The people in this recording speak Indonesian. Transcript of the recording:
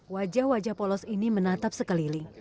wajah wajah polos ini menatap sekeliling